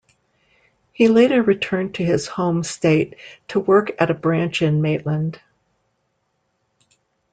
He later returned to his home state to work at a branch in Maitland.